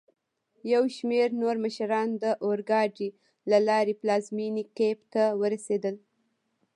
یوشمیرنورمشران داورګاډي له لاري پلازمېني کېف ته ورسېدل.